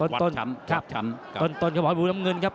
วัดช้ำครับช้ำครับต้นต้นกระบวนมูลน้ำเงินครับ